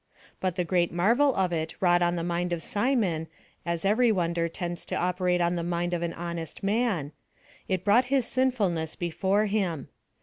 But the great marvel of it wrought on the mind of Simon as every wonder tends to operate on the mind of an honest man: it brought his sinfulness before him.